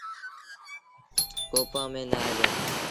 ڪوپآن ميݩ نآئي دو۔